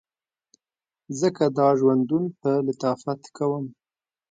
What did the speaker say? ځکه دا ژوندون په لطافت کوم